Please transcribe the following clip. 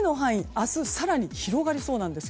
明日更に広がりそうなんです。